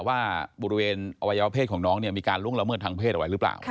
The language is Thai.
ว่าบริเวณอวัยวะเพศของน้องเนี่ยมีการล่วงละเมิดทางเพศอะไรหรือเปล่า